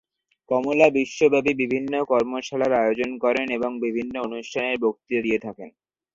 কমলা বিশ্বব্যাপী বিভিন্ন কর্মশালার আয়োজন করেন এবং বিভিন্ন অনুষ্ঠানে বক্তৃতা দিয়ে থাকেন।